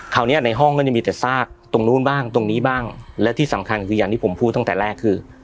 เนี้ยในห้องก็จะมีแต่ซากตรงนู้นบ้างตรงนี้บ้างและที่สำคัญคืออย่างที่ผมพูดตั้งแต่แรกคือ